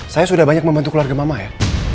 saya sudah banyak membantu keluarga mama ya